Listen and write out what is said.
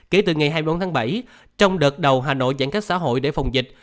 kể từ ngày hai mươi bốn tháng bảy trong đợt đầu hà nội giãn cách xã hội để phòng dịch